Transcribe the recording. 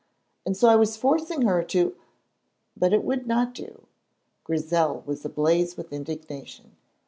and so I was forcing her to " But it would not do. Grizel was ablaze with indignation.